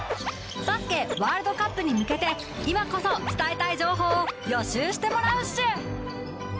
バスケワールドカップに向けて今こそ伝えたい情報を予習してもらうっシュ！